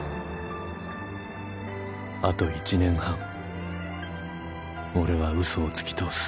あと１年半俺は嘘をつき通す